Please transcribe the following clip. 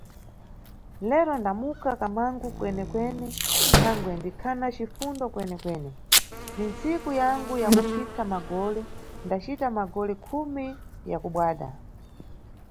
Lero ndamuka kamangu kwene-kwene thangwe ndikhana cifundo kwene-kwene, ni nsiku yangu yakupfitsa magole, ndacita magole khumi ya kubadwa.